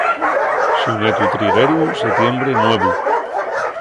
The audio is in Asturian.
Xunetu trigueru, setiembre nuevu.